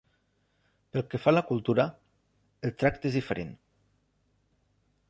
Pel que fa a la cultura, el tracte és diferent.